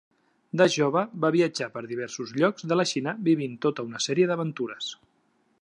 De jove va viatjar per diversos llocs de la Xina vivint tota una sèrie d'aventures.